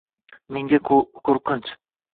Menga qo’rqinch —